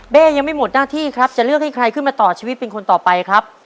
ยังไม่หมดหน้าที่ครับจะเลือกให้ใครขึ้นมาต่อชีวิตเป็นคนต่อไปครับ